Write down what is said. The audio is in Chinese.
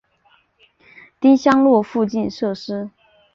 丁香路附近设施